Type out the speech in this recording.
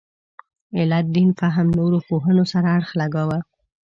علت دین فهم نورو پوهنو سره اړخ لګاوه.